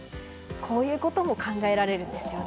こういうことも考えられるんですよね。